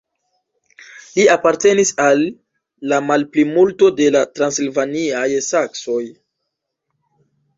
Li apartenis al la malplimulto de la transilvaniaj saksoj.